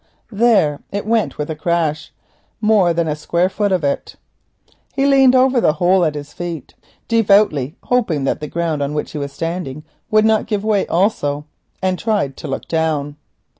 There! it went with a crash, more than a square foot of it. He leant over the hole at his feet, devoutly hoping that the ground on which he was standing would not give way also, and tried to look down.